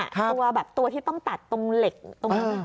ตัวแบบตัวที่ต้องตัดตรงเหล็กตรงนั้น